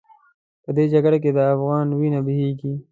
په دې جګړه کې د افغان وینه بهېږي.